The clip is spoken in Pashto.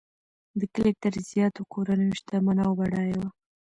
د کلي تر زیاتو کورنیو شتمنه او بډایه وه.